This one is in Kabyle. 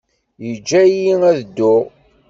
Yeǧǧa-iyi ad dduɣ.